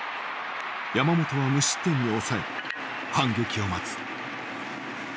山本は無失点に抑え反撃を待つ。